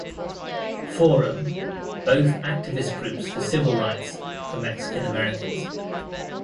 Forum, both activist groups for civil rights for Mexican Americans.